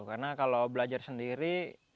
karena kalau belajar sendiri